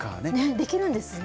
できるんですね。